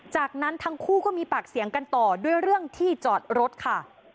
จากนั้นทั้งคู่ก็มีปากเสียงกันต่อด้วยเรื่องที่จอดรถค่ะ